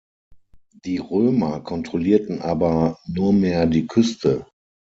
Die Römer kontrollierten aber nur mehr die Küste.